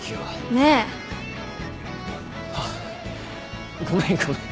ねえ！あっごめんごめん。